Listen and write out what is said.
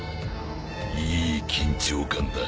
いい緊張感だ。